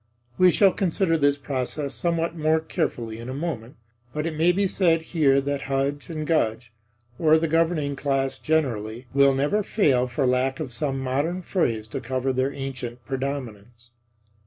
We shall consider this process somewhat more carefully in a moment. But it may be said here that Hudge and Gudge, or the governing class generally, will never fail for lack of some modern phrase to cover their ancient predominance.